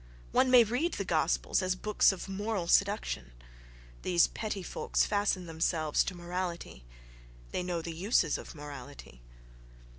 One may read the gospels as books of moral seduction: these petty folks fasten themselves to morality—they know the uses of morality!